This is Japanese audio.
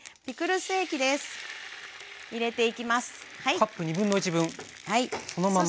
カップ1/2分そのまま。